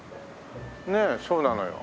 ねえそうなのよ。